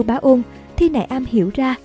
lưu bá ôn thi nại am hiểu ra